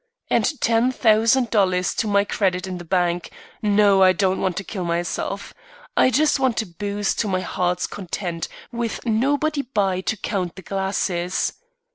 And ten thousand dollars to my credit in the bank! No, I don't want to kill myself. I just want to booze to my heart's content, with nobody by to count the glasses.